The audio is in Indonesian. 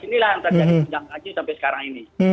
inilah yang terjadi di penjangkaji sampai sekarang ini